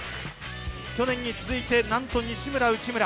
去年に続いて、なんと西村、内村。